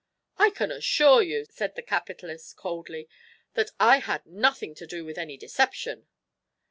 "I can assure you," said the capitalist, coldly, "that I had nothing to do with any deception."